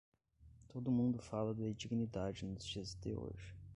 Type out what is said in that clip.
Todo mundo fala de dignidade nos dias de hoje.